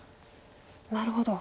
なるほど。